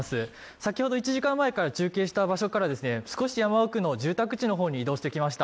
先ほど１時間前に中継した場所から少し山奥の住宅地の方に移動してきました。